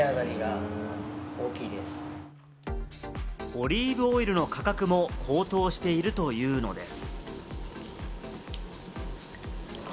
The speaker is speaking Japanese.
オリーブオイルの価格も高騰しているというのです。